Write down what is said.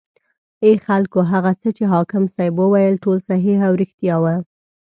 ای خلکو هغه څه چې حاکم صیب وویل ټول صحیح او ریښتیا و.